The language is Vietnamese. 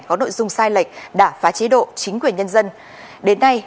có nội dung sai lệch đà phá chế độ chính quyền nhân dân đến nay